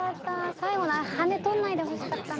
最後の羽根取んないでほしかったな。